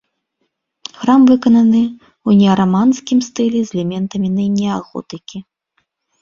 Храм выкананы ў неараманскім стылі з элементамі неаготыкі.